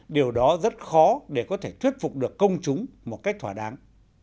điều đó rất khó để có thể thuyết phục được công chúng một cách thỏa đáng